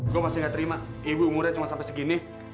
gue masih gak terima ibu umurnya cuma sampai segini